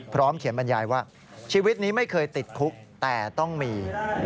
เขียนบรรยายว่าชีวิตนี้ไม่เคยติดคุกแต่ต้องมี